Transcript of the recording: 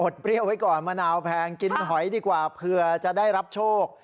เปรี้ยวไว้ก่อนมะนาวแพงกินหอยดีกว่าเผื่อจะได้รับโชค